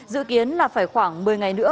dự kiến là phải khoảng một mươi ngày nữa